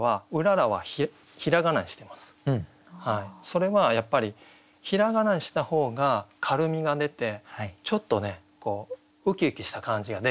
それはやっぱり平仮名にした方が軽みが出てちょっとねウキウキした感じが出るんですよね。